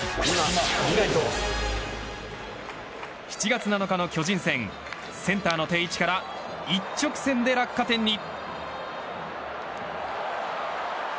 ７月７日の巨人戦センターの定位置から一直線で落下点に。